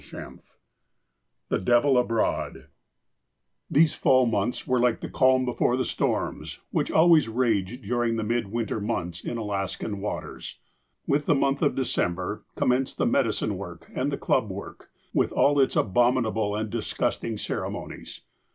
XVIII THE DEVIL ABROAD THESE fall montlis were like the calm before the storms, which always rage during the mid winter months in Alaskan waters. With the month of December commenced the medicine work and the club work, with all its abominable and disgusting ceremonies.